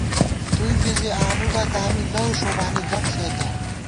توئیں بی زی تؤو بَہ، دامی لَؤ ݭُولَنی گم ݪېسہ